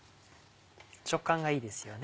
食感がいいですよね